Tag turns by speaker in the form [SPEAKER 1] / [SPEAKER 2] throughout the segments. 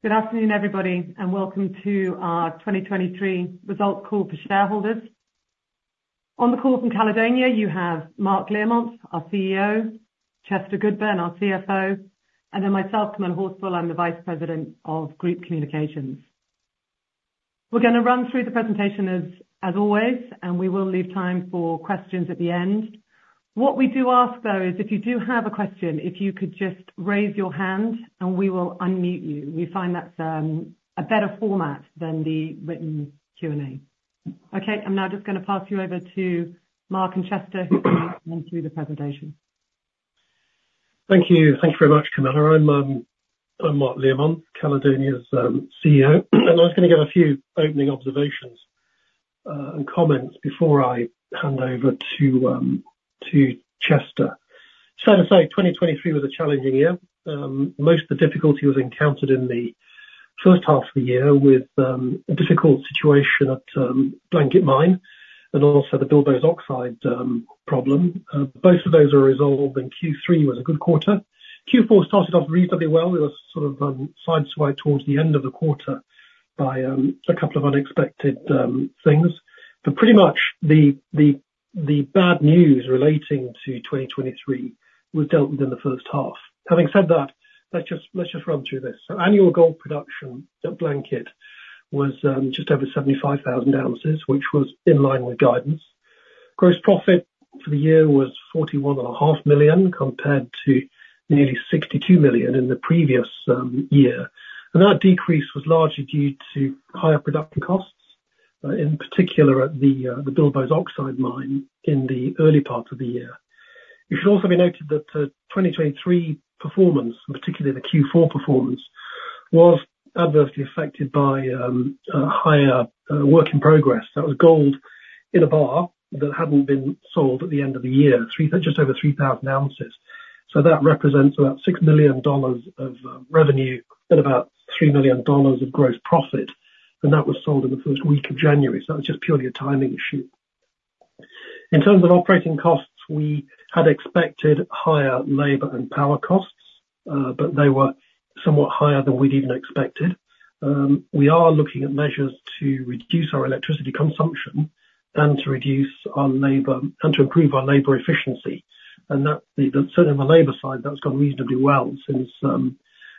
[SPEAKER 1] Good afternoon, everybody, and welcome to our 2023 Results Call for Shareholders. On the call from Caledonia, you have Mark Learmonth, our CEO, Chester Goodburn, our CFO, and then myself, Camilla Horsfall. I'm the Vice President of Group Communications. We're going to run through the presentation as always, and we will leave time for questions at the end. What we do ask, though, is if you do have a question, if you could just raise your hand and we will unmute you. We find that's a better format than the written Q&A. Okay, I'm now just going to pass you over to Mark and Chester, who can run through the presentation.
[SPEAKER 2] Thank you. Thank you very much, Camilla. I'm Mark Learmonth, Caledonia's CEO, and I was going to give a few opening observations and comments before I hand over to Chester. So, to say, 2023 was a challenging year. Most of the difficulty was encountered in the first half of the year with a difficult situation at Blanket Mine and also the Bilboes Oxide problem. Both of those are resolved, and Q3 was a good quarter. Q4 started off reasonably well. We were sort of sideswiped towards the end of the quarter by a couple of unexpected things. But pretty much the bad news relating to 2023 was dealt with in the first half. Having said that, let's just run through this. So annual gold production at Blanket was just over 75,000 ounces, which was in line with guidance. Gross profit for the year was $41.5 million compared to nearly $62 million in the previous year. That decrease was largely due to higher production costs, in particular at the Bilboes Oxide mine in the early part of the year. It should also be noted that 2023 performance, particularly the Q4 performance, was adversely affected by higher work in progress. That was gold in a bar that hadn't been sold at the end of the year, just over 3,000 ounces. That represents about $6 million of revenue and about $3 million of gross profit. That was sold in the first week of January. That was just purely a timing issue. In terms of operating costs, we had expected higher labor and power costs, but they were somewhat higher than we'd even expected. We are looking at measures to reduce our electricity consumption and to improve our labor efficiency. And certainly on the labor side, that's gone reasonably well since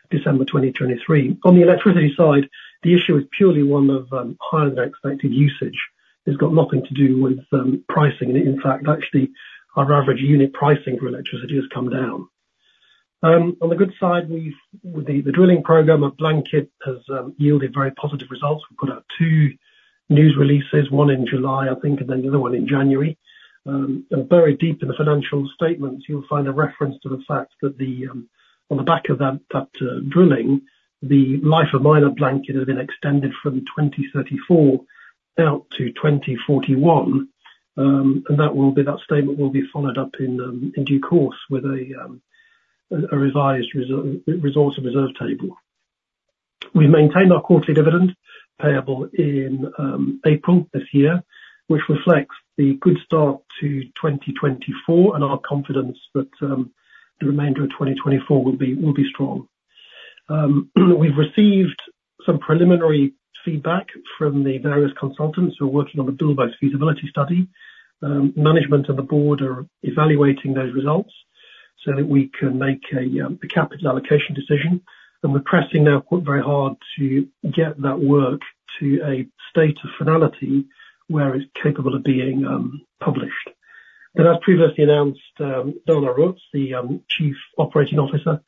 [SPEAKER 2] December 2023. On the electricity side, the issue is purely one of higher-than-expected usage. It's got nothing to do with pricing. In fact, actually, our average unit pricing for electricity has come down. On the good side, the drilling program at Blanket has yielded very positive results. We put out two news releases, one in July, I think, and then the other one in January. And buried deep in the financial statements, you'll find a reference to the fact that on the back of that drilling, the life of mine at Blanket has been extended from 2034 out to 2041. And that statement will be followed up in due course with a revised resource and reserve table. We've maintained our quarterly dividend payable in April this year, which reflects the good start to 2024 and our confidence that the remainder of 2024 will be strong. We've received some preliminary feedback from the various consultants who are working on the Bilboes feasibility study. Management and the board are evaluating those results so that we can make a capital allocation decision. We're pressing now very hard to get that work to a state of finality where it's capable of being published. As previously announced, Dana Roets, the Chief Operating Officer,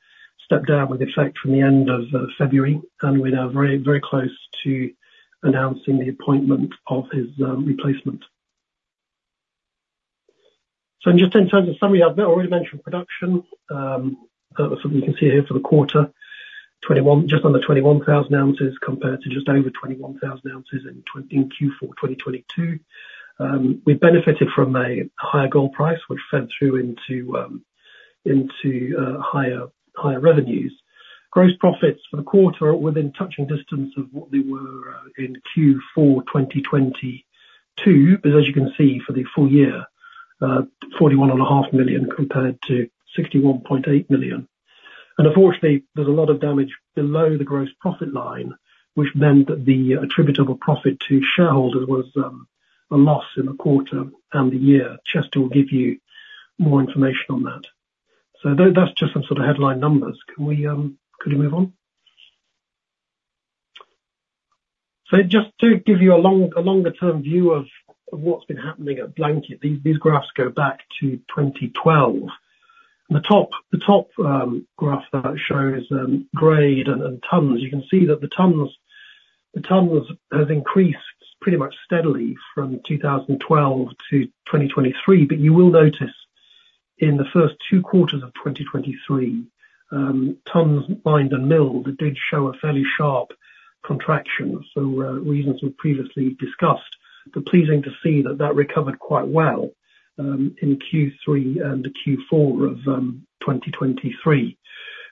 [SPEAKER 2] stepped down with effect from the end of February, and we're now very close to announcing the appointment of his replacement. In just 10 times of summary, I've already mentioned production. That was something you can see here for the quarter, just under 21,000 ounces compared to just over 21,000 ounces in Q4 2022. We benefited from a higher gold price, which fed through into higher revenues. Gross profits for the quarter are within touching distance of what they were in Q4 2022. But as you can see for the full year, $41.5 million compared to $61.8 million. And unfortunately, there's a lot of damage below the gross profit line, which meant that the attributable profit to shareholders was a loss in the quarter and the year. Chester will give you more information on that. So that's just some sort of headline numbers. Could we move on? So just to give you a longer-term view of what's been happening at Blanket, these graphs go back to 2012. And the top graph that shows grade and tons, you can see that the tons have increased pretty much steadily from 2012 to 2023. But you will notice in the first two quarters of 2023, tons mined and milled did show a fairly sharp contraction, for reasons we've previously discussed. But pleasing to see that that recovered quite well in Q3 and Q4 of 2023.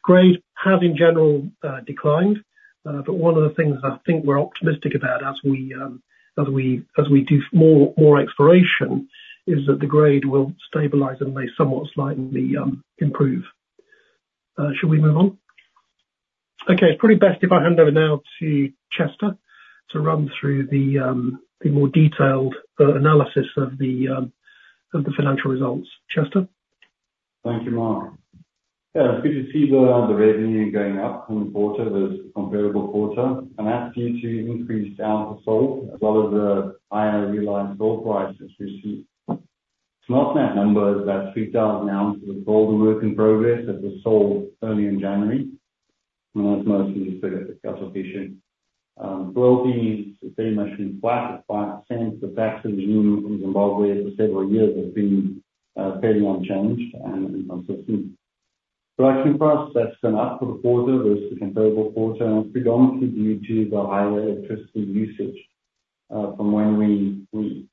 [SPEAKER 2] Grade has, in general, declined. But one of the things that I think we're optimistic about as we do more exploration is that the grade will stabilize and may somewhat slightly improve. Should we move on? Okay, it's probably best if I hand over now to Chester to run through the more detailed analysis of the financial results. Chester?
[SPEAKER 3] Thank you, Mark. Yeah, it's good to see the revenue going up in the quarter, the comparable quarter. And that's due to increased ounces sold as well as the higher realized gold price that's received. It's in that number, but 3,000 ounces of gold in work in progress that was sold early in January. And that's mostly just a quarter feature. AISC is pretty much been flat at 5%. The tax regime in Zimbabwe for several years has been fairly unchanged and inconsistent. Production costs, that's gone up for the quarter versus the comparable quarter, predominantly due to the higher electricity usage from when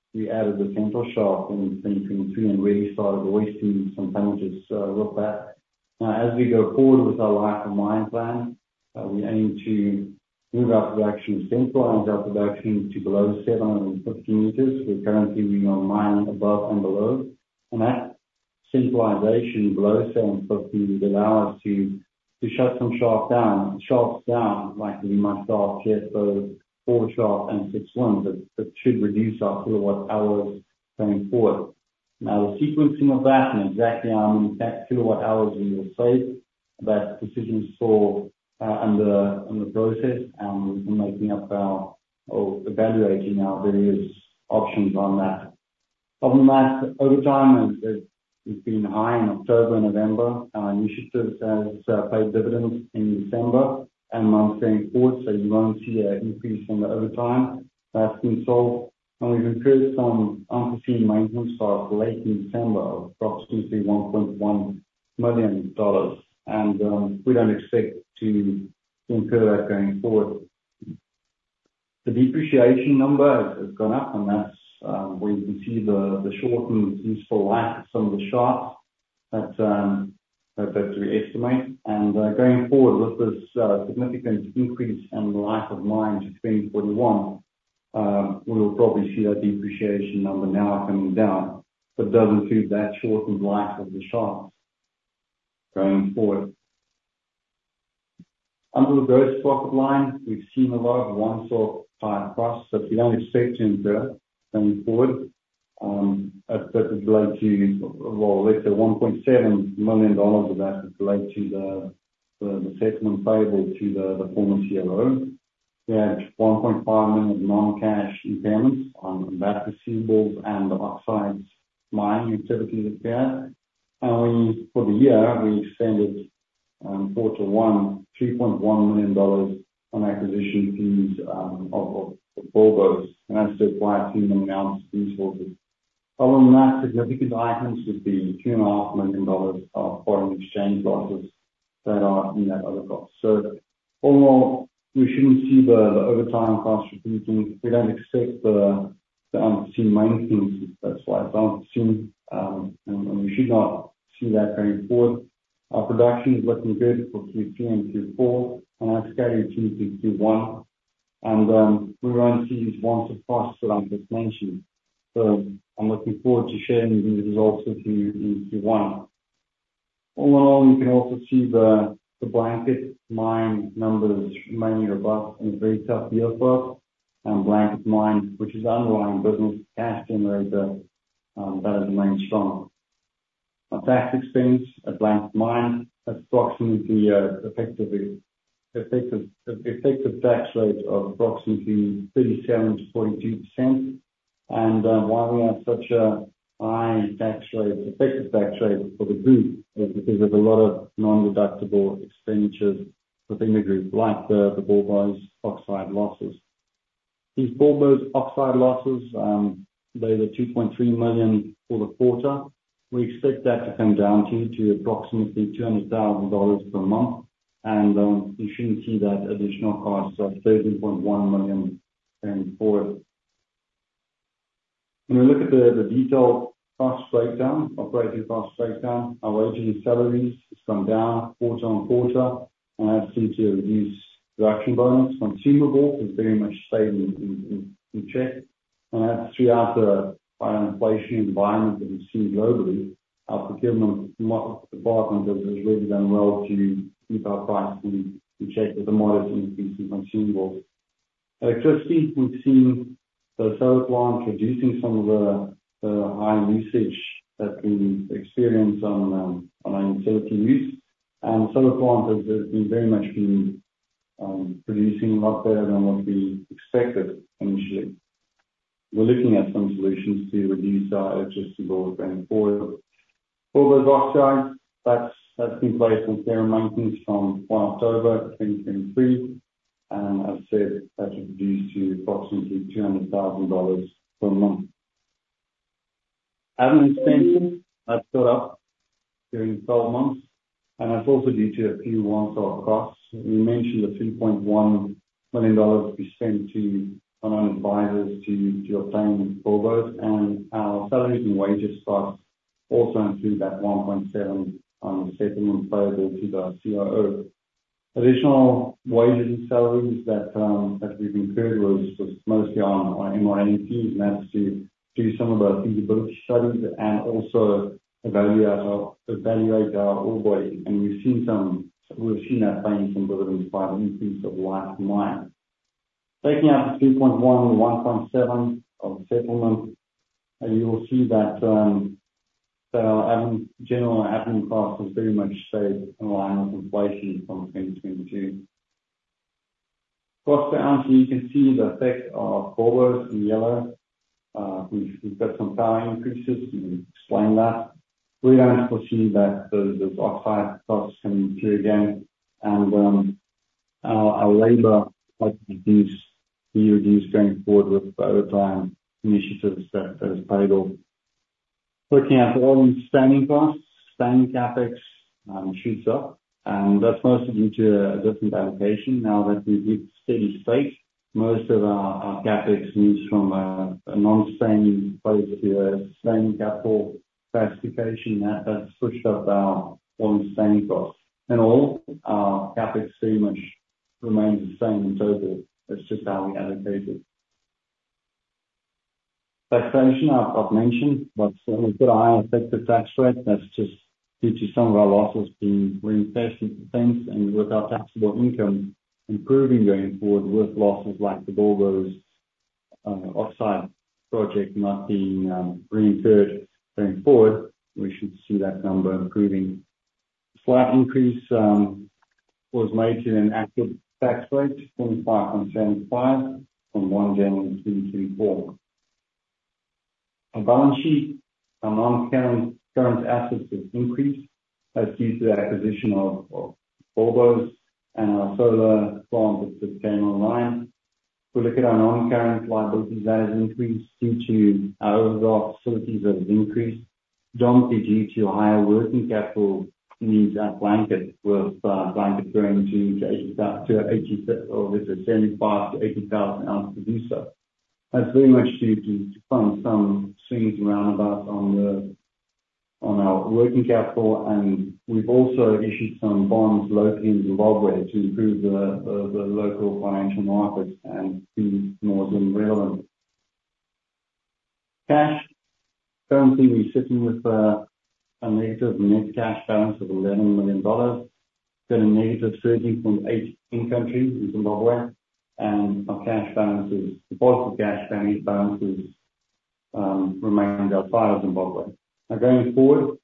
[SPEAKER 3] we added the Central Shaft in 2023 and really started hoisting some tonnages real fast. Now, as we go forward with our life of mine plan, we aim to move our production to centralize our production to below 750 meters. We're currently mining above and below. That centralization below 750 would allow us to shut some shafts down, likely we might start here for No. 4 Shaft and No. 6 Winze. That should reduce our kilowatt-hours going forward. Now, the sequencing of that and exactly how many kilowatt-hours we will save, that decision is still under process, and we've been making up our or evaluating our various options on that. Other than that, overtime, it's been high in October and November. Our initiatives have paid dividends in December and months going forward, so you won't see an increase in the overtime. That's been solved. We've incurred some unforeseen maintenance costs late in December of approximately $1.1 million. We don't expect to incur that going forward. The depreciation number has gone up, and that's where you can see the shortened useful life of some of the shafts that we estimate. And going forward, with this significant increase in the life of mine to 2041, we will probably see that depreciation number now coming down. But it does include that shortened life of the shafts going forward. Under the gross profit line, we've seen a lot of one-off higher price, so we don't expect to incur going forward. That would be related to well, let's say $1.7 million of that would relate to the settlement payable to the former COO. We had $1.5 million non-cash impairments on those receivables and the oxide mining activities that we had. And for the year, we expended quarter one $3.1 million on acquisition fees of Bilboes. And that's still quite a few million ounces of gold. Other than that, significant items would be $2.5 million of foreign exchange losses that are in that other costs. So all in all, we shouldn't see the overtime costs repeating. We don't expect the unforeseen maintenance. That's why it's unforeseen, and we should not see that going forward. Our production is looking good for Q3 and Q4, and that's carried through to Q1. And we won't see these once-off costs that I've just mentioned. So I'm looking forward to sharing these results with you in Q1. All in all, you can also see the Blanket Mine numbers remaining robust and a very tough year for us. And Blanket Mine, which is the underlying business cash generator, that has remained strong. Our tax expense at Blanket Mine has approximately an effective tax rate of approximately 37%-42%. And why we have such a high effective tax rate for the group is because there's a lot of non-deductible expenditures within the group, like the Bilboes oxide losses. These Bilboes oxide losses, they were $2.3 million for the quarter. We expect that to come down to approximately $200,000 per month. You shouldn't see that additional cost of $13.1 million going forward. When we look at the detailed operating cost breakdown, our wages and salaries have gone down quarter-on-quarter. That's due to a reduced production bonus. Consumable has very much stayed in check. That's throughout the higher inflation environment that we've seen globally. Our procurement department has really done well to keep our price in check with a modest increase in consumables. Electricity, we've seen the solar plant producing some of the high usage that we experience on our utility use. The solar plant has very much been producing a lot better than what we expected initially. We're looking at some solutions to reduce our electricity bills going forward. Bilboes' oxide, that's been placed on care and maintenance from 1 October 2023. As I said, that reduced to approximately $200,000 per month. Admin expenses, that's gone up during the 12 months. That's also due to a few once-off costs. We mentioned the $3.1 million we spent on our advisors to obtain Bilboes. Our salaries and wages costs also include that $1.7 million on the settlement payable to the COO. Additional wages and salaries that we've incurred was mostly on our MRM fees. That's to do some of our feasibility studies and also evaluate our ore body. We've seen that paying some dividends by the increase of life of mine. Taking out the $3.1 million, the $1.7 million of the settlement, you will see that our general admin costs have very much stayed in line with inflation from 2022. On the chart here, you can see the effect of Bilboes in yellow. We've got some power increases. We can explain that. We don't foresee that those oxide costs can increase again. Our labor might be reduced going forward with the overtime initiatives that are paid off. Looking at the AISC and sustaining costs, sustaining CAPEX shoots up. That's mostly due to a different allocation. Now that we've hit steady state, most of our CAPEX moves from a non-sustaining place to a sustaining capital classification. That's pushed up our AISC and sustaining costs. In all, our CAPEX pretty much remains the same in total. It's just how we allocate it. Taxation, I've mentioned. But when we put a higher effective tax rate, that's just due to some of our losses being reinvested in things and with our taxable income improving going forward with losses like the Bilboes oxide project not being reincurred going forward. We should see that number improving. A slight increase was made to the effective tax rate, 25.75%, from 1 January 2024. Our balance sheet and our non-current assets have increased. That's due to the acquisition of Bilboes and our solar plant that's just came online. If we look at our non-current liabilities, that has increased due to our overdraft facilities that have increased. Primarily due to higher working capital needs at Blanket with Blanket going to 75,000-80,000 ounces to do so. That's very much due to fund some swings around about on our working capital. And we've also issued some bonds locally in Zimbabwe to improve the local financial markets and be more than relevant. Cash, currently, we're sitting with a negative net cash balance of $11 million. Got a negative $13.8 million in country in Zimbabwe. And our cash balance is deposit cash balance remains outside of Zimbabwe. Now, going forward,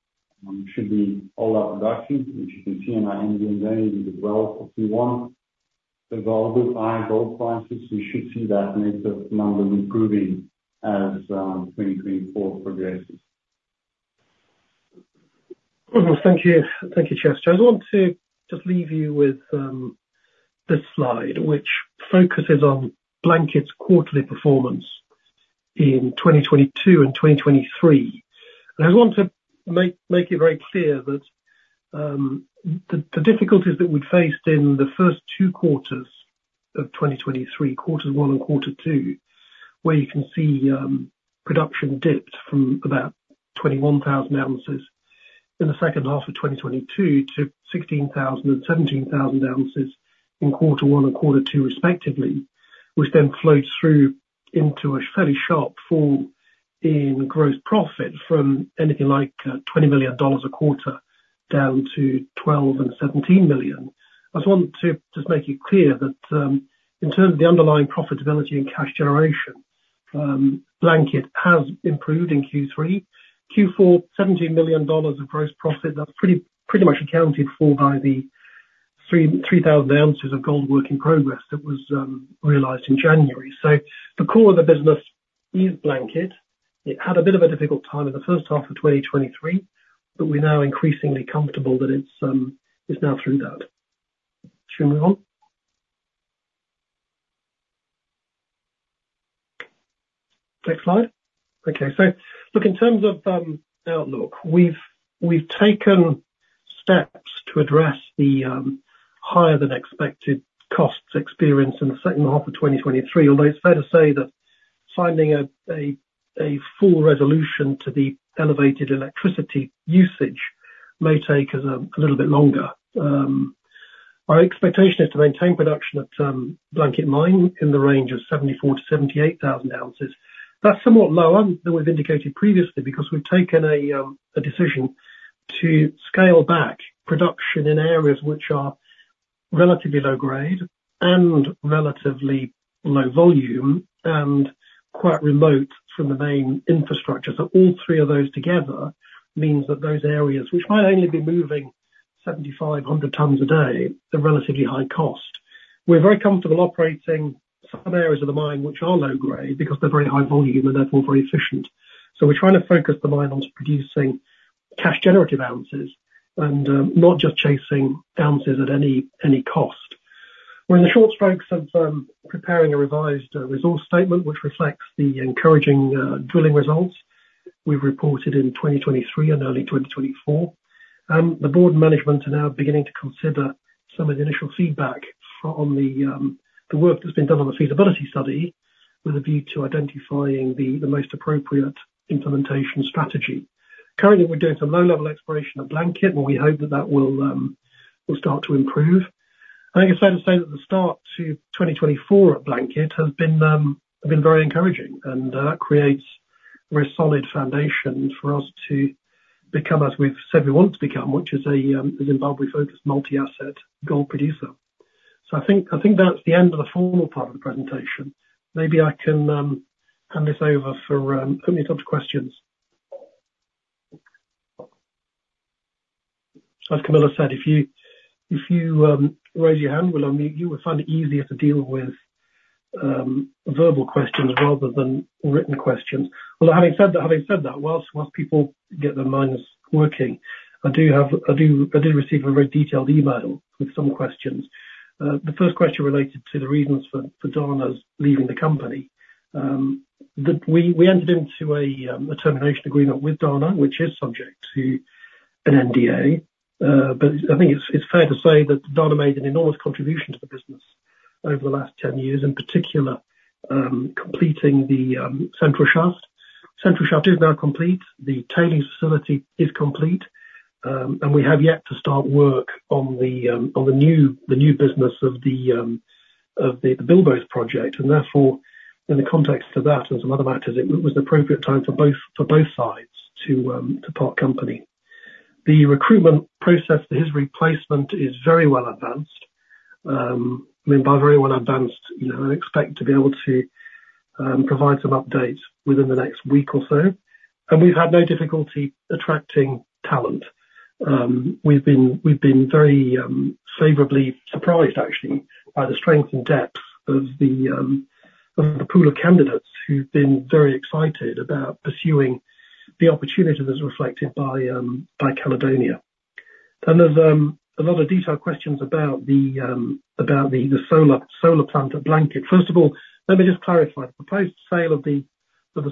[SPEAKER 3] it should be all our production, which you can see in our YTD earnings as well for Q1. With our higher gold prices, we should see that negative number improving as 2024 progresses.
[SPEAKER 2] Thank you. Thank you, Chester. I just want to just leave you with this slide, which focuses on Blanket's quarterly performance in 2022 and 2023. I just want to make it very clear that the difficulties that we'd faced in the first two quarters of 2023, quarters one and quarter two, where you can see production dipped from about 21,000 ounces in the second half of 2022 to 16,000 and 17,000 ounces in quarter one and quarter two, respectively, which then flowed through into a fairly sharp fall in gross profit from anything like $20 million a quarter down to $12 million and $17 million. I just want to just make it very clear that in terms of the underlying profitability and cash generation, Blanket has improved in Q3. Q4, $17 million of gross profit, that's pretty much accounted for by the 3,000 ounces of gold work in progress that was realized in January. So the core of the business is Blanket. It had a bit of a difficult time in the first half of 2023, but we're now increasingly comfortable that it's now through that. Should we move on? Next slide. Okay. So look, in terms of outlook, we've taken steps to address the higher-than-expected costs experienced in the second half of 2023, although it's fair to say that finding a full resolution to the elevated electricity usage may take us a little bit longer. Our expectation is to maintain production at Blanket Mine in the range of 74,000-78,000 ounces. That's somewhat lower than we've indicated previously because we've taken a decision to scale back production in areas which are relatively low-grade and relatively low-volume and quite remote from the main infrastructure. So all three of those together means that those areas, which might only be moving 75-100 tons a day, are relatively high cost. We're very comfortable operating some areas of the mine which are low-grade because they're very high-volume and therefore very efficient. So we're trying to focus the mine on producing cash-generative ounces and not just chasing ounces at any cost. We're in the short strokes of preparing a revised resource statement which reflects the encouraging drilling results we've reported in 2023 and early 2024. The board and management are now beginning to consider some of the initial feedback on the work that's been done on the feasibility study with a view to identifying the most appropriate implementation strategy. Currently, we're doing some low-level exploration at Blanket, and we hope that that will start to improve. I guess I'd say that the start to 2024 at Blanket has been very encouraging. That creates a very solid foundation for us to become as we've said we want to become, which is a Zimbabwe-focused multi-asset gold producer. I think that's the end of the formal part of the presentation. Maybe I can hand this over for opening it up to questions. As Camilla said, if you raise your hand, we'll unmute you. We'll find it easier to deal with verbal questions rather than written questions. Although having said that, while people get their minds working, I do receive a very detailed email with some questions. The first question related to the reasons for Dana's leaving the company. We entered into a termination agreement with Dana, which is subject to an NDA. But I think it's fair to say that Dana made an enormous contribution to the business over the last 10 years, in particular completing the Central Shaft. Central Shaft is now complete. The tailings facility is complete. And we have yet to start work on the new business of the Bilboes project. And therefore, in the context of that and some other matters, it was an appropriate time for both sides to part company. The recruitment process, his replacement, is very well advanced. I mean, by very well advanced, I expect to be able to provide some updates within the next week or so. We've had no difficulty attracting talent. We've been very favorably surprised, actually, by the strength and depth of the pool of candidates who've been very excited about pursuing the opportunity that's reflected by Caledonia. There's a lot of detailed questions about the solar plant at Blanket. First of all, let me just clarify. The proposed sale of the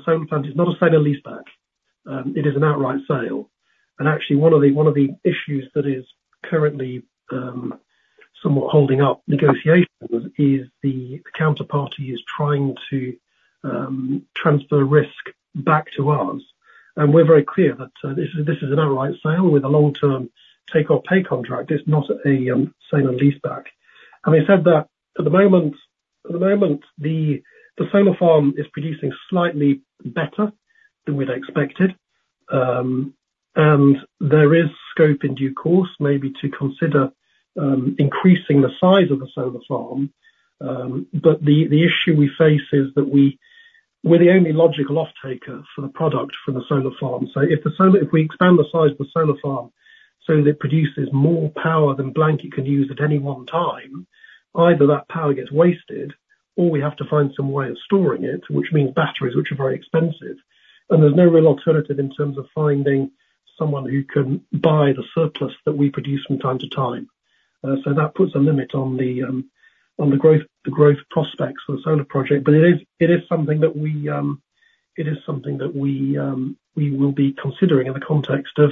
[SPEAKER 2] solar plant is not a sale and lease back. It is an outright sale. Actually, one of the issues that is currently somewhat holding up negotiations is the counterparty is trying to transfer risk back to us. We're very clear that this is an outright sale with a long-term take-or-pay contract. It's not a sale and lease back. Having said that, at the moment, the solar farm is producing slightly better than we'd expected. There is scope in due course maybe to consider increasing the size of the solar farm. The issue we face is that we're the only logical offtaker for the product from the solar farm. If we expand the size of the solar farm so that it produces more power than Blanket can use at any one time, either that power gets wasted or we have to find some way of storing it, which means batteries, which are very expensive. There's no real alternative in terms of finding someone who can buy the surplus that we produce from time to time. That puts a limit on the growth prospects for the solar project. But it is something that we will be considering in the context of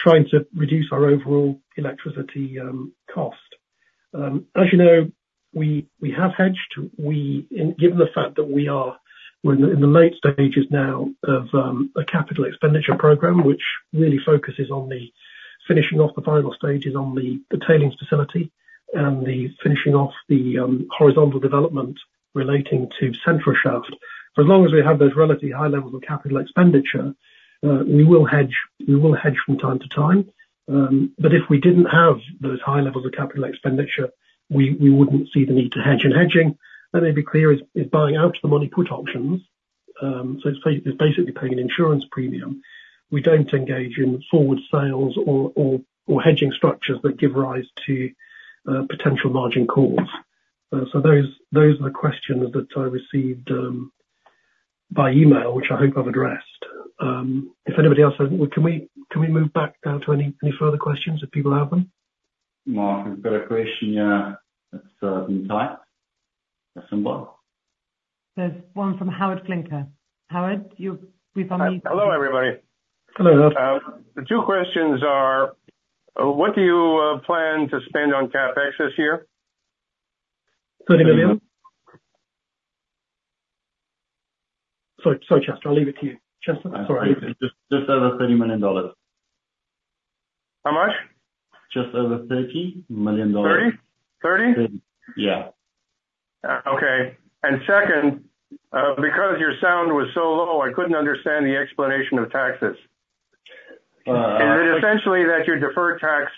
[SPEAKER 2] trying to reduce our overall electricity cost. As you know, we have hedged. Given the fact that we're in the late stages now of a capital expenditure program, which really focuses on the finishing off the final stages on the tailings facility and the finishing off the horizontal development relating to Central Shaft, for as long as we have those relatively high levels of capital expenditure, we will hedge. We will hedge from time to time. But if we didn't have those high levels of capital expenditure, we wouldn't see the need to hedge in hedging. Let me be clear. It's buying out of the money put options. So it's basically paying an insurance premium. We don't engage in forward sales or hedging structures that give rise to potential margin calls. So those are the questions that I received by email, which I hope I've addressed. If anybody else hasn't, can we move back now to any further questions if people have them?
[SPEAKER 3] Mark, we've got a question. Yeah. It's in the chat. That's someone.
[SPEAKER 1] There's one from Howard Flinker. Howard, we've unmuted.
[SPEAKER 4] Hello, everybody.
[SPEAKER 2] Hello, Howard.
[SPEAKER 4] The two questions are, what do you plan to spend on CapEx this year?
[SPEAKER 2] $30 million. Sorry, Chester. I'll leave it to you. Chester? Sorry, I'll leave it to you.
[SPEAKER 3] Just over $30 million.
[SPEAKER 4] How much?
[SPEAKER 3] Just over $30 million.
[SPEAKER 4] 30?
[SPEAKER 3] Yeah.
[SPEAKER 4] Okay. Second, because your sound was so low, I couldn't understand the explanation of taxes. Is it essentially that your deferred tax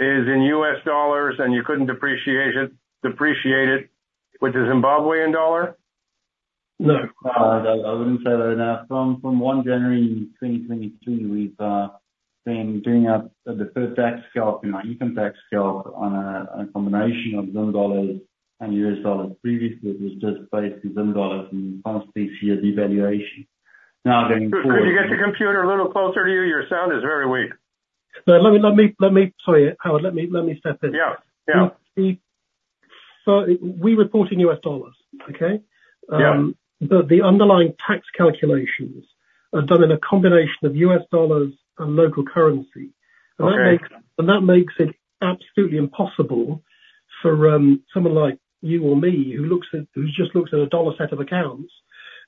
[SPEAKER 4] is in U.S. dollars and you couldn't depreciate it with the Zimbabwean dollar?
[SPEAKER 3] No. I wouldn't say that enough. From 1 January 2022, we've been doing the tax calculation in our income tax scale on a combination of Zim dollars and US dollars. Previously, it was just based in Zim dollars and constantly see a devaluation. Now, going forward.
[SPEAKER 4] Could you get the computer a little closer to you? Your sound is very weak.
[SPEAKER 2] Sorry, Howard. Let me step in.
[SPEAKER 4] Yeah. Yeah.
[SPEAKER 2] So we report in US dollars, okay? But the underlying tax calculations are done in a combination of US dollars and local currency. And that makes it absolutely impossible for someone like you or me who just looks at a dollar set of accounts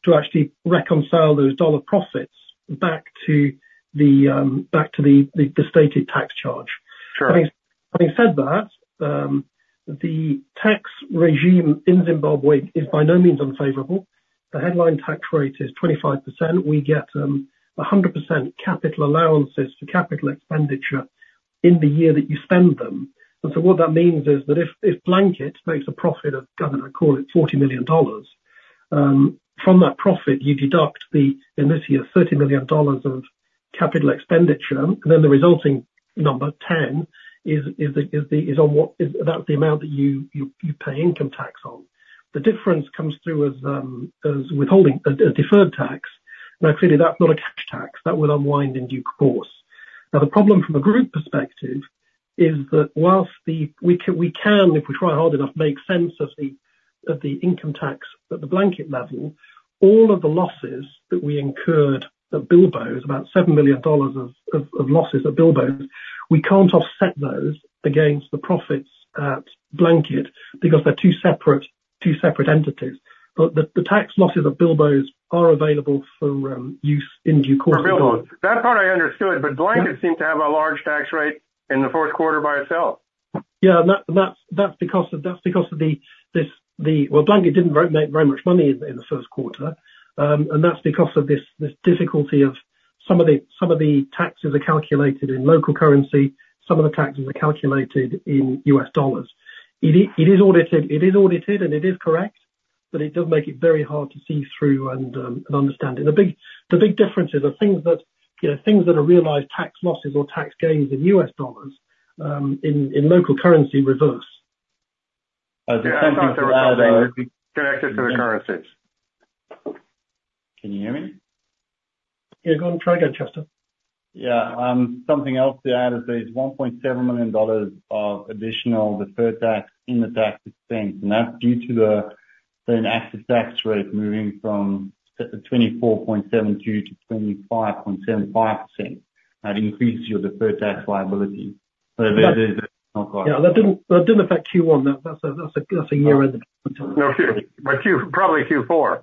[SPEAKER 2] to actually reconcile those dollar profits back to the stated tax charge. Having said that, the tax regime in Zimbabwe is by no means unfavorable. The headline tax rate is 25%. We get 100% capital allowances for capital expenditure in the year that you spend them. And so what that means is that if Blanket makes a profit of, I don't know, call it $40 million, from that profit, you deduct the, in this year, $30 million of capital expenditure. And then the resulting number, $10 million, is on what that's the amount that you pay income tax on. The difference comes through as deferred tax. Now, clearly, that's not a cash tax. That will unwind in due course. Now, the problem from a group perspective is that while we can, if we try hard enough, make sense of the income tax at the Blanket level, all of the losses that we incurred at Bilboes—about $7 million of losses at Bilboes—we can't offset those against the profits at Blanket because they're two separate entities. But the tax losses at Bilboes are available for use in due course.
[SPEAKER 4] Hang on. That part I understood. But Blanket seemed to have a large tax rate in the fourth quarter by itself.
[SPEAKER 2] Yeah. And that's because, well, Blanket didn't make very much money in the first quarter. And that's because of this difficulty of some of the taxes are calculated in local currency. Some of the taxes are calculated in US dollars. It is audited. It is audited, and it is correct. But it does make it very hard to see through and understand it. And the big differences are things that are realised tax losses or tax gains in US dollars in local currency reverse.
[SPEAKER 4] There's something to add there. Connected to the currencies.
[SPEAKER 3] Can you hear me?
[SPEAKER 2] Yeah. Go on. Try again, Chester.
[SPEAKER 3] Yeah. Something else to add is there's $1.7 million of additional deferred tax in the tax expense. And that's due to the effective tax rate moving from 24.72%-25.75%. That increases your deferred tax liability. So there's a not quite.
[SPEAKER 2] Yeah. That didn't affect Q1. That's a year-end.
[SPEAKER 4] No Q. Probably Q4.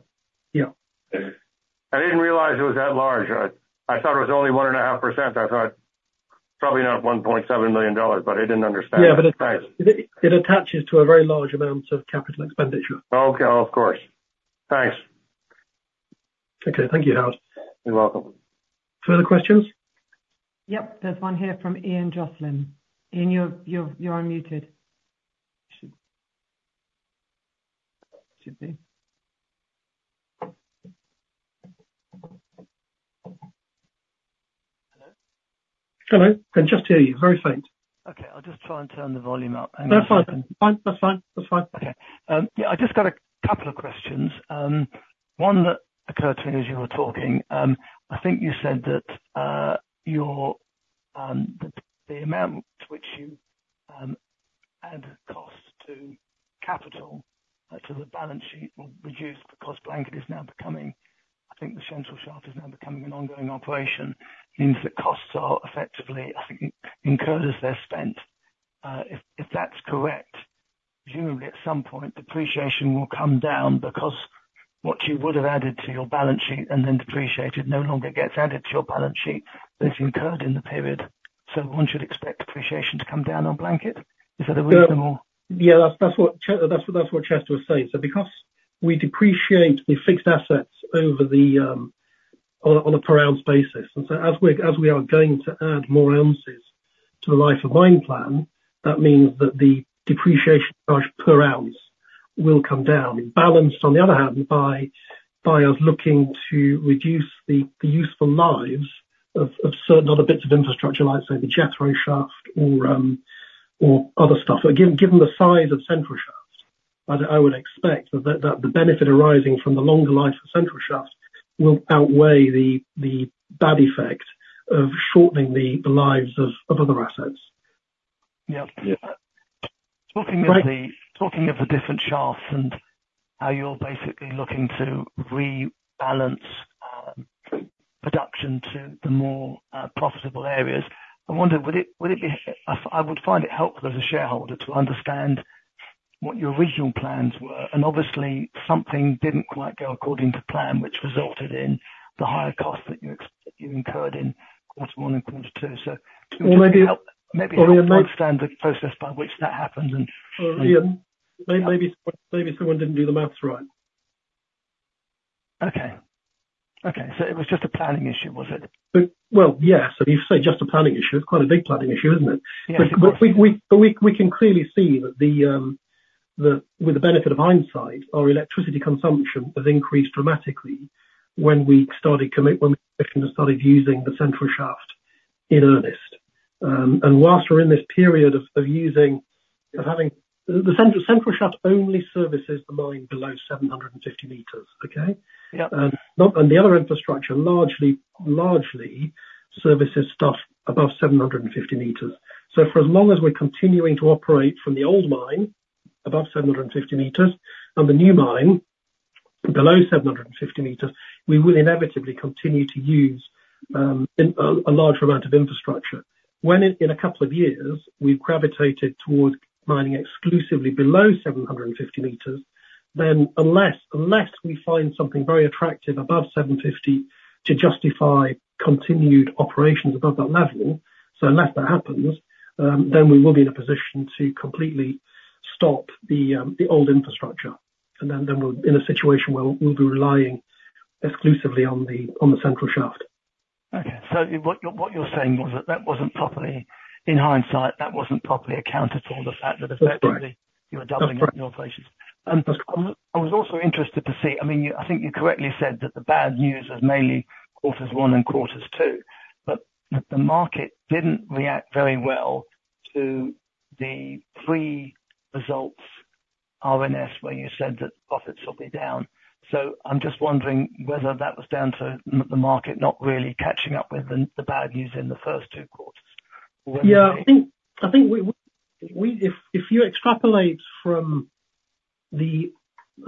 [SPEAKER 4] I didn't realize it was that large. I thought it was only 1.5%. I thought probably not $1.7 million. But I didn't understand.
[SPEAKER 2] Yeah. But it attaches to a very large amount of capital expenditure.
[SPEAKER 4] Okay. Of course. Thanks.
[SPEAKER 2] Okay. Thank you, Howard.
[SPEAKER 4] You're welcome.
[SPEAKER 2] Further questions?
[SPEAKER 1] Yep. There's one here from Ian Joscelyne. Ian, you're unmuted. It should be.
[SPEAKER 5] Hello?
[SPEAKER 2] Hello. I can just hear you. Very faint.
[SPEAKER 5] Okay. I'll just try and turn the volume up.
[SPEAKER 2] That's fine. That's fine. That's fine.
[SPEAKER 5] Okay. Yeah. I just got a couple of questions. One that occurred to me as you were talking, I think you said that the amount to which you add cost to capital to the balance sheet will reduce because Blanket is now becoming I think the Central Shaft is now becoming an ongoing operation. It means that costs are effectively, I think, incurred as they're spent. If that's correct, presumably, at some point, depreciation will come down because what you would have added to your balance sheet and then depreciated no longer gets added to your balance sheet that's incurred in the period. So one should expect depreciation to come down on Blanket. Is that reasonable?
[SPEAKER 2] Yeah. That's what Chester was saying. So because we depreciate the fixed assets on a per-ounce basis. And so as we are going to add more ounces to the life of mine plan, that means that the depreciation charge per ounce will come down, balanced, on the other hand, by us looking to reduce the useful lives of certain other bits of infrastructure like say the Jethro Shaft or other stuff. But given the size of Central Shaft, I would expect that the benefit arising from the longer life of Central Shaft will outweigh the bad effect of shortening the lives of other assets.
[SPEAKER 5] Yeah. Talking of the different shafts and how you're basically looking to rebalance production to the more profitable areas, I wonder, would it be I would find it helpful as a shareholder to understand what your original plans were. And obviously, something didn't quite go according to plan, which resulted in the higher cost that you incurred in quarter one and quarter two. So would it help to understand the process by which that happened and?
[SPEAKER 2] Ian, maybe someone didn't do the math right.
[SPEAKER 5] Okay. Okay. So it was just a planning issue, was it?
[SPEAKER 2] Well, yes. And you've said just a planning issue. It's quite a big planning issue, isn't it? But we can clearly see that with the benefit of hindsight, our electricity consumption has increased dramatically when we commissioned and started using the Central Shaft in earnest. And whilst we're in this period of having the Central Shaft only services the mine below 750 meters, okay? And the other infrastructure largely services stuff above 750 meters. So for as long as we're continuing to operate from the old mine above 750 meters and the new mine below 750 meters, we will inevitably continue to use a large amount of infrastructure. When in a couple of years, we've gravitated towards mining exclusively below 750 meters, then unless we find something very attractive above 750 to justify continued operations above that level so unless that happens, then we will be in a position to completely stop the old infrastructure. And then we're in a situation where we'll be relying exclusively on the Central Shaft.
[SPEAKER 5] Okay. So what you're saying was that that wasn't properly in hindsight, that wasn't properly accounted for, the fact that effectively you were doubling operations. I was also interested to see, I mean, I think you correctly said that the bad news was mainly quarters one and quarters two. But the market didn't react very well to the pre-results RNS where you said that profits would be down. So I'm just wondering whether that was down to the market not really catching up with the bad news in the first two quarters or whether they.
[SPEAKER 2] Yeah. I think if you extrapolate from the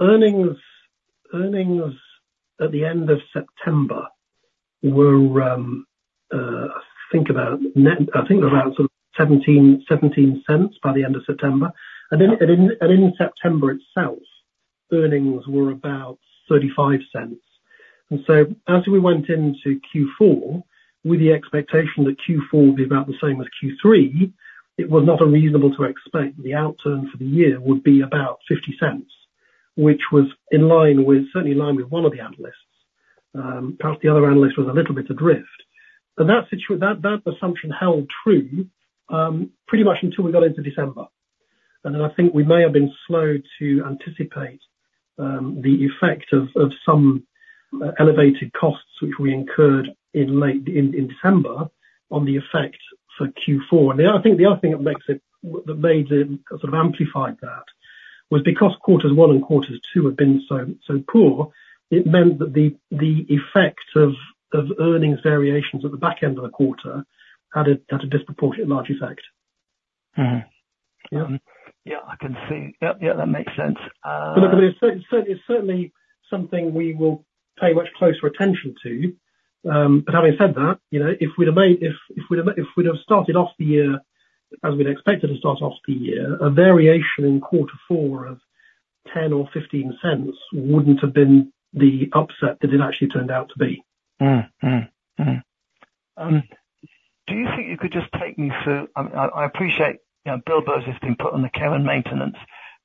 [SPEAKER 2] earnings at the end of September were I think about sort of $0.17 by the end of September. And then in September itself, earnings were about $0.35. And so as we went into Q4 with the expectation that Q4 would be about the same as Q3, it was not unreasonable to expect the outturn for the year would be about $0.50, which was certainly in line with one of the analysts. Perhaps the other analyst was a little bit adrift. And that assumption held true pretty much until we got into December. And then I think we may have been slow to anticipate the effect of some elevated costs which we incurred in December on the effect for Q4. I think the other thing that made it sort of amplified that was because quarters 1 and quarters 2 had been so poor, it meant that the effect of earnings variations at the back end of the quarter had a disproportionately large effect.
[SPEAKER 5] Yeah. I can see. Yeah. Yeah. That makes sense.
[SPEAKER 2] But look, I mean, it's certainly something we will pay much closer attention to. But having said that, if we'd have started off the year as we'd expected to start off the year, a variation in quarter four of $0.10 or $0.15 wouldn't have been the upset that it actually turned out to be.
[SPEAKER 5] Do you think you could just take me through? I appreciate Bilboes has been put on the care and maintenance,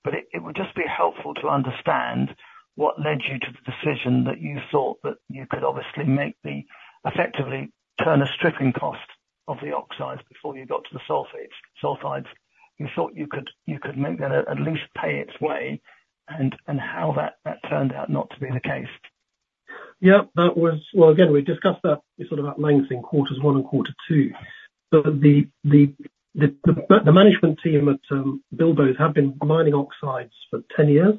[SPEAKER 5] but it would just be helpful to understand what led you to the decision that you thought that you could obviously make the effectively turn a stripping cost of the oxides before you got to the sulfides. You thought you could make that at least pay its way and how that turned out not to be the case.
[SPEAKER 2] Yeah. Well, again, we discussed that sort of at length in quarter one and quarter two. But the management team at Bilboes had been mining oxides for 10 years.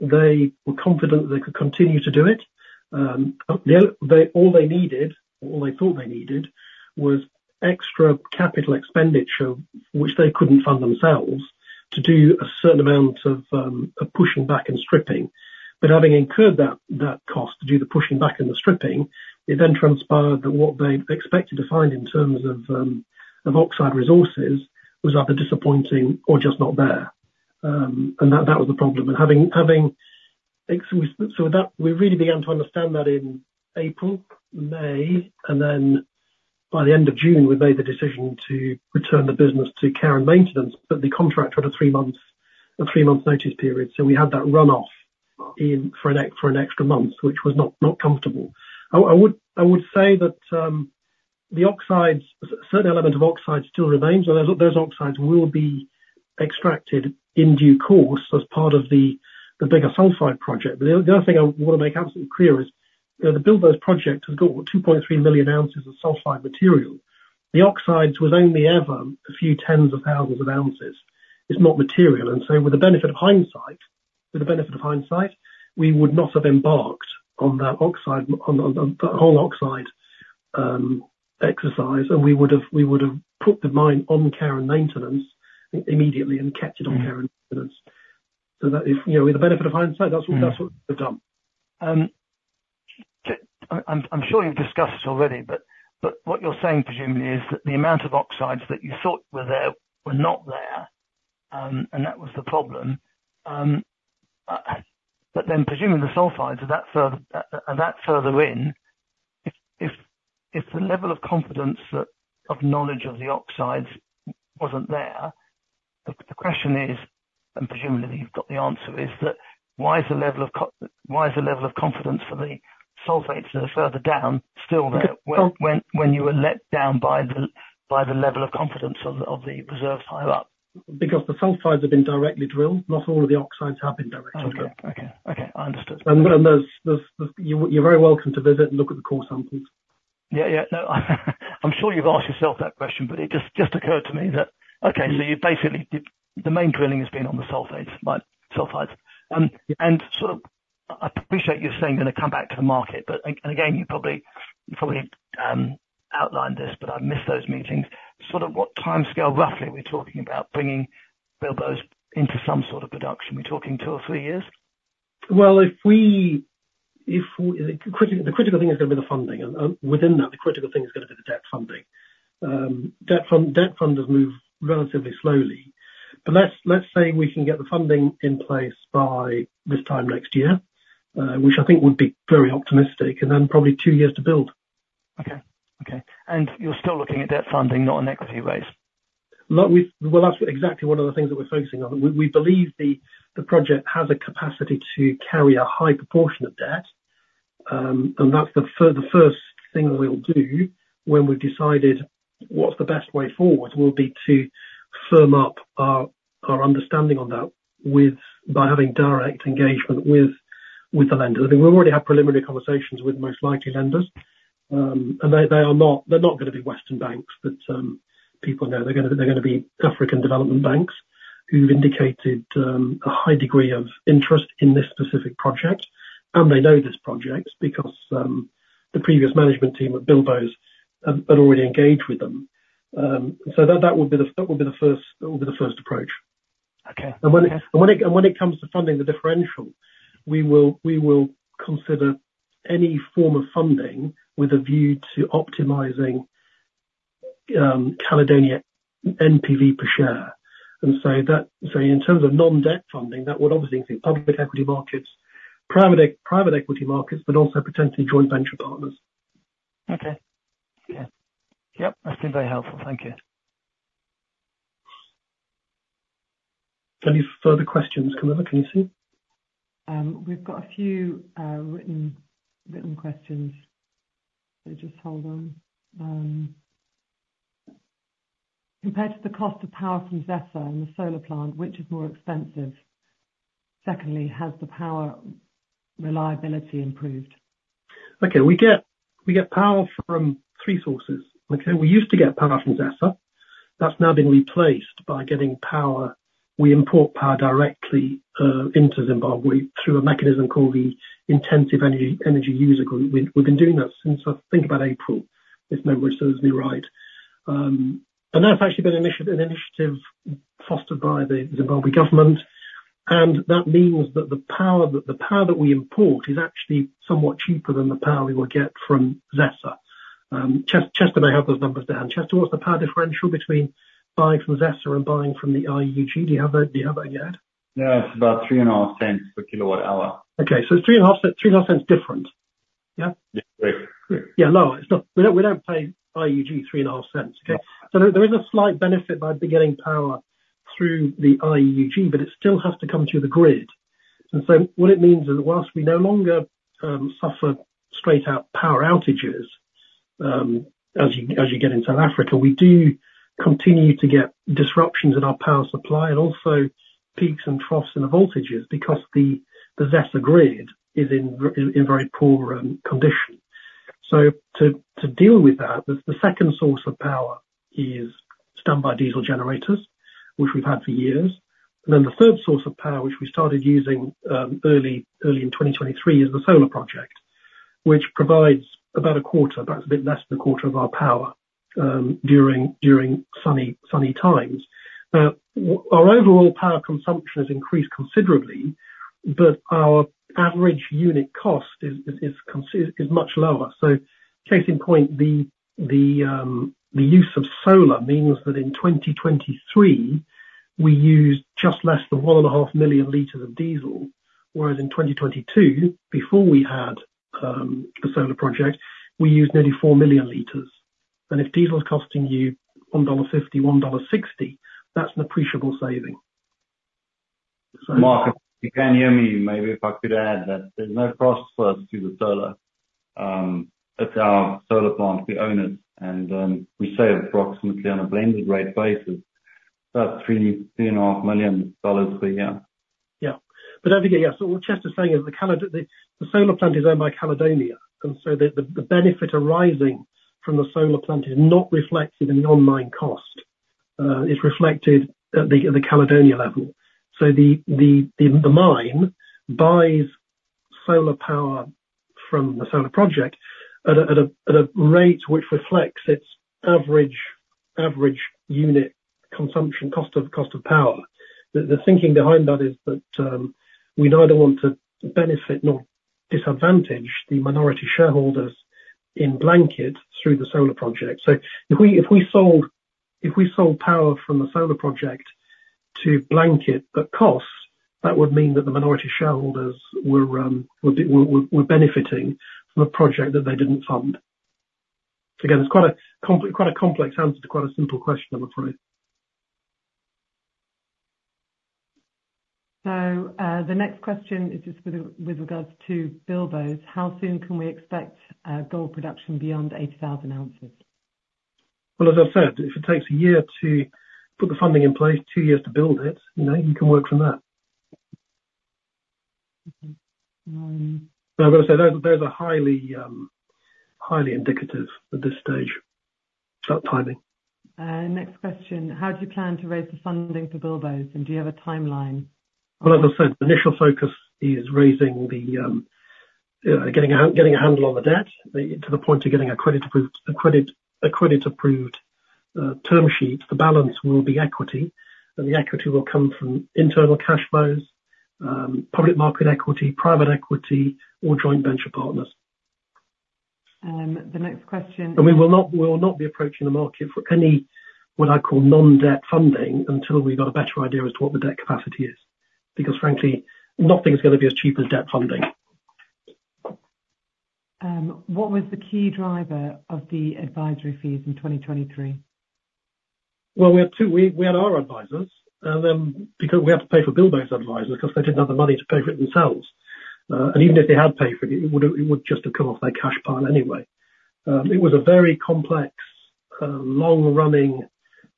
[SPEAKER 2] They were confident that they could continue to do it. All they needed or all they thought they needed was extra capital expenditure which they couldn't fund themselves to do a certain amount of pushing back and stripping. But having incurred that cost to do the pushing back and the stripping, it then transpired that what they expected to find in terms of oxide resources was either disappointing or just not there. And that was the problem. And having so we really began to understand that in April, May, and then by the end of June, we made the decision to return the business to care and maintenance. But the contractor had a three-month notice period. We had that runoff for an extra month, which was not comfortable. I would say that certain element of oxide still remains. Those oxides will be extracted in due course as part of the bigger sulfide project. The other thing I want to make absolutely clear is the Bilboes project has got 2.3 million ounces of sulfide material. The oxides was only ever a few tens of thousands of ounces. It's not material. With the benefit of hindsight, with the benefit of hindsight, we would not have embarked on that whole oxide exercise. We would have put the mine on care and maintenance immediately and kept it on care and maintenance. With the benefit of hindsight, that's what we would have done.
[SPEAKER 5] I'm sure you've discussed this already, but what you're saying presumably is that the amount of oxides that you thought were there were not there, and that was the problem. But then presumably, the sulfides are that further in. If the level of confidence of knowledge of the oxides wasn't there, the question is, and presumably you've got the answer, is that why is the level of why is the level of confidence for the sulfides that are further down still there when you were let down by the level of confidence of the reserves higher up?
[SPEAKER 2] Because the sulfides have been directly drilled. Not all of the oxides have been directly drilled.
[SPEAKER 5] Okay. Okay. Okay. I understood.
[SPEAKER 2] You're very welcome to visit and look at the core samples.
[SPEAKER 5] Yeah. Yeah. No. I'm sure you've asked yourself that question, but it just occurred to me that okay. So the main drilling has been on the sulfides. And sort of I appreciate you saying you're going to come back to the market. And again, you probably outlined this, but I missed those meetings. Sort of what timescale roughly are we talking about bringing Bilboes into some sort of production? Are we talking two or three years?
[SPEAKER 2] Well, the critical thing is going to be the funding. Within that, the critical thing is going to be the debt funding. Debt funders move relatively slowly. Let's say we can get the funding in place by this time next year, which I think would be very optimistic, and then probably two years to build.
[SPEAKER 5] Okay. Okay. And you're still looking at debt funding, not an equity raise?
[SPEAKER 2] Well, that's exactly one of the things that we're focusing on. We believe the project has a capacity to carry a high proportion of debt. And that's the first thing we'll do when we've decided what's the best way forward will be to firm up our understanding on that by having direct engagement with the lenders. I mean, we've already had preliminary conversations with most likely lenders. And they're not going to be Western banks that people know. They're going to be African development banks who've indicated a high degree of interest in this specific project. And they know this project because the previous management team at Bilboes had already engaged with them. So that would be the first approach. And when it comes to funding the differential, we will consider any form of funding with a view to optimizing Caledonia NPV per share. In terms of non-debt funding, that would obviously include public equity markets, private equity markets, but also potentially joint venture partners.
[SPEAKER 5] Okay. Okay. Yep. That's been very helpful. Thank you.
[SPEAKER 2] Any further questions? Can I look? Can you see?
[SPEAKER 1] We've got a few written questions. So just hold on. Compared to the cost of power from ZESA and the solar plant, which is more expensive? Secondly, has the power reliability improved?
[SPEAKER 2] Okay. We get power from three sources, okay? We used to get power from ZESA. That's now been replaced by getting power we import power directly into Zimbabwe through a mechanism called the Intensive Energy Users Group. We've been doing that since I think about April, if memory serves me right. And that's actually been an initiative fostered by the Zimbabwe government. And that means that the power that we import is actually somewhat cheaper than the power we will get from ZESA. Chester may have those numbers down. Chester, what's the power differential between buying from ZESA and buying from the IEUG? Do you have that yet?
[SPEAKER 3] Yeah. It's about $0.035 per kWh.
[SPEAKER 2] Okay. So it's $0.035 different. Yeah?
[SPEAKER 3] Yeah. Great.
[SPEAKER 2] Yeah. Lower. We don't pay IEUG $0.035, okay? So there is a slight benefit by getting power through the IEUG, but it still has to come through the grid. And so what it means is while we no longer suffer straight-out power outages as you get in South Africa, we do continue to get disruptions in our power supply and also peaks and troughs in the voltages because the ZESA grid is in very poor condition. So to deal with that, the second source of power is standby diesel generators, which we've had for years. And then the third source of power, which we started using early in 2023, is the solar project, which provides about a quarter, perhaps a bit less than a quarter of our power during sunny times. Now, our overall power consumption has increased considerably, but our average unit cost is much lower. Case in point, the use of solar means that in 2023, we used just less than 1.5 million liters of diesel. Whereas in 2022, before we had the solar project, we used nearly 4 million liters. If diesel's costing you $1.50-$1.60, that's an appreciable saving.
[SPEAKER 3] Mark, if you can hear me, maybe if I could add that there's no cost for us to the solar. It's our solar plant. We own it. And we save approximately on a blended rate basis, about $3.5 million per year.
[SPEAKER 2] Yeah. But over here, yeah. So what Chester's saying is the solar plant is owned by Caledonia. And so the benefit arising from the solar plant is not reflected in the all-in cost. It's reflected at the Caledonia level. So the mine buys solar power from the solar project at a rate which reflects its average unit consumption, cost of power. The thinking behind that is that we neither want to benefit nor disadvantage the minority shareholders in Blanket through the solar project. So if we sold power from the solar project to Blanket at cost, that would mean that the minority shareholders were benefiting from a project that they didn't fund. So again, it's quite a complex answer to quite a simple question, I'm afraid.
[SPEAKER 1] The next question is just with regards to Bilboes. How soon can we expect gold production beyond 80,000 ounces?
[SPEAKER 2] Well, as I've said, if it takes a year to put the funding in place, two years to build it, you can work from that. But I've got to say, those are highly indicative at this stage, that timing.
[SPEAKER 1] Next question. How do you plan to raise the funding for Bilboes? Do you have a timeline?
[SPEAKER 2] Well, as I said, the initial focus is getting a handle on the debt to the point of getting accredited term sheets. The balance will be equity. The equity will come from internal cash flows, public market equity, private equity, or joint venture partners.
[SPEAKER 1] The next question.
[SPEAKER 2] We will not be approaching the market for any what I call non-debt funding until we've got a better idea as to what the debt capacity is because, frankly, nothing's going to be as cheap as debt funding.
[SPEAKER 1] What was the key driver of the advisory fees in 2023?
[SPEAKER 2] Well, we had our advisors because we had to pay for Bilboes' advisors because they didn't have the money to pay for it themselves. Even if they had paid for it, it would just have come off their cash pile anyway. It was a very complex, long-running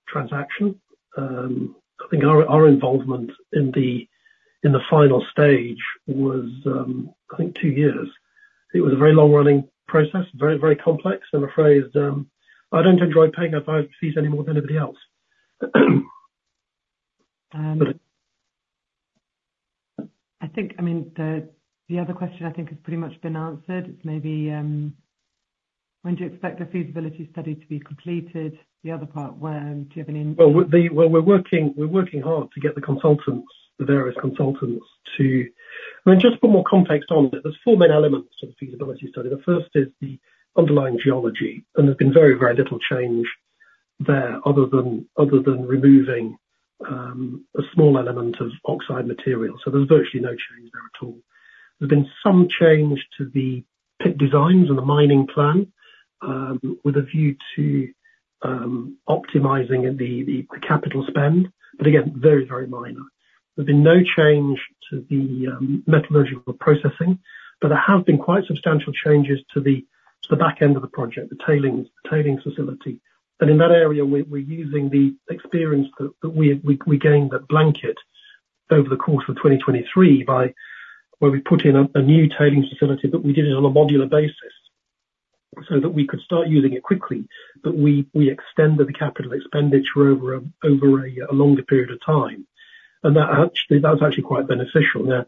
[SPEAKER 2] transaction. I think our involvement in the final stage was, I think, two years. It was a very long-running process, very, very complex. I'm afraid I don't enjoy paying advisory fees any more than anybody else.
[SPEAKER 1] I mean, the other question I think has pretty much been answered. It's maybe when do you expect the feasibility study to be completed? The other part, do you have any?
[SPEAKER 2] Well, we're working hard to get the various consultants to I mean, just to put more context on it, there's four main elements to the feasibility study. The first is the underlying geology. There's been very, very little change there other than removing a small element of oxide material. There's virtually no change there at all. There's been some change to the pit designs and the mining plan with a view to optimizing the capital spend, but again, very, very minor. There's been no change to the metallurgical processing. There have been quite substantial changes to the back end of the project, the tailing facility. In that area, we're using the experience that we gained at Blanket over the course of 2023 where we put in a new tailing facility, but we did it on a modular basis so that we could start using it quickly. But we extended the capital expenditure over a longer period of time. And that was actually quite beneficial. Now,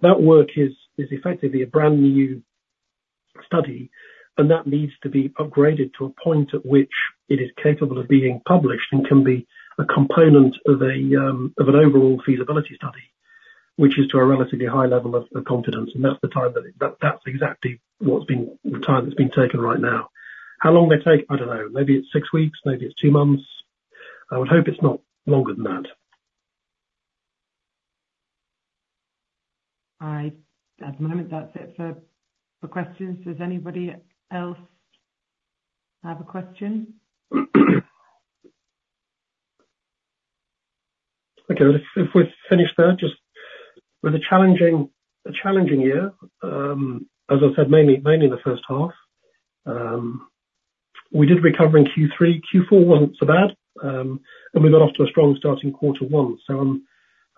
[SPEAKER 2] that work is effectively a brand new study. And that needs to be upgraded to a point at which it is capable of being published and can be a component of an overall feasibility study, which is to a relatively high level of confidence. And that's the time that that's exactly what's been the time that's been taken right now. How long they take, I don't know. Maybe it's 6 weeks. Maybe it's 2 months. I would hope it's not longer than that.
[SPEAKER 1] At the moment, that's it for questions. Does anybody else have a question?
[SPEAKER 2] Okay. If we've finished there, just with a challenging year, as I said, mainly in the first half. We did recover in Q3. Q4 wasn't so bad. And we got off to a strong starting quarter one. So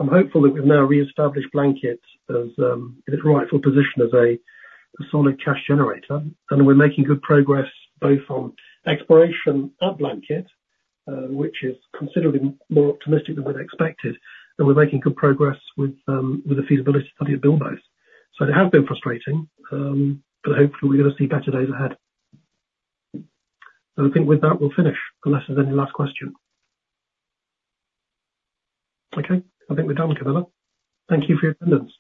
[SPEAKER 2] I'm hopeful that we've now reestablished Blanket in its rightful position as a solid cash generator. And we're making good progress both on exploration at Blanket, which is considerably more optimistic than we'd expected. And we're making good progress with the feasibility study at Bilboes. So it has been frustrating. But hopefully, we're going to see better days ahead. So I think with that, we'll finish unless there's any last question. Okay. I think we're done, Camilla. Thank you for your attendance.